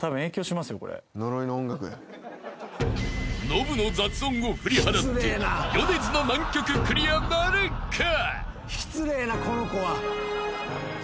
［ノブの雑音を振り払って米津の難曲クリアなるか］